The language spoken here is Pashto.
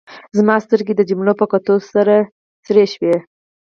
زما سترګې د جملو په کتلو سرې شوې.